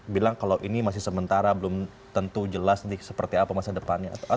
bilang kalau ini masih sementara belum tentu jelas seperti apa masa depannya